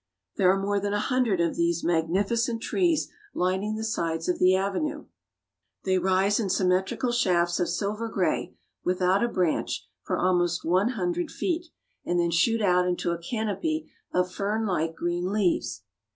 There are more than a hundred of these magnificent trees lining the sides of the avenue. They rise in symmetrical shafts of silver gray, without a branch, for almost one hundred feet, and then shoot out into a canopy of fernlike green leaves.